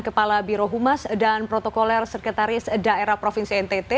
kepala birohumas dan protokoler sekretaris daerah provinsi ntt